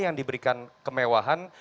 yang diberikan kemewahan